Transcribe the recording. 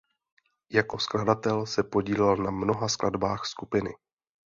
Jako skladatel se podílel na mnoha skladbách skupiny.